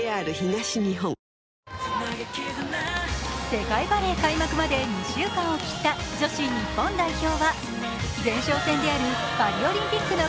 世界バレー開幕まで２週間を切った女子日本代表は、前哨戦であるパリオリンピックの